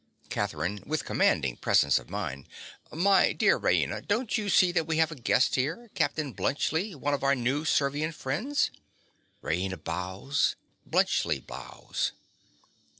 _) CATHERINE. (with commanding presence of mind). My dear Raina, don't you see that we have a guest here—Captain Bluntschli, one of our new Servian friends? (_Raina bows; Bluntschli bows.